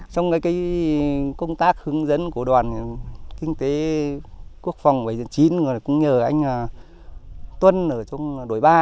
trong cái công tác hướng dẫn của đoàn kinh tế quốc phòng bảy mươi chín cũng nhờ anh tuân ở trong đối ba